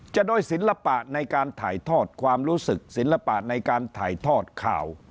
จะโดยศิลปะในการถ่ายทอดความรู้สึกศิลปะในการถ่ายทอดข่าว